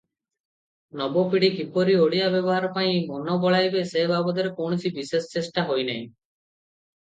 ନବପିଢ଼ି କିପରି ଓଡ଼ିଆ ବ୍ୟବହାର ପାଇଁ ମନ ବଳାଇବେ ସେ ବାବଦରେ କୌଣସି ବିଶେଷ ଚେଷ୍ଟା ହୋଇନାହିଁ ।